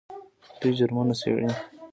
دوی جرمونه څیړي.